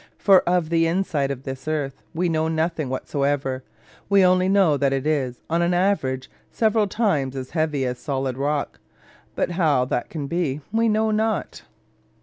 For of the inside of this earth we know nothing whatsoever: we only know that it is, on an average, several times as heavy as solid rock; but how that can be, we know not.